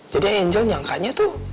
jadi angel nyangkanya tuh